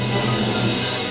jalan terus